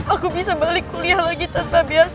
aku bisa balik kuliah lagi tanpa biasa